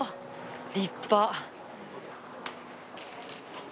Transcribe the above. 立派。